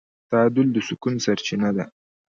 تعادل د سکون سرچینه ده.